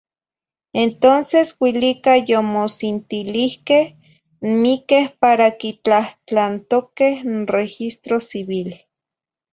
Entonces uilica yomosintilihqueh n miqueh para quitlahtlantoqueh n registro civil.